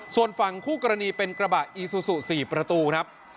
ส่วนฝั่งคู่กรณีเป็นกระบะอีซูซู๔ประตูครับ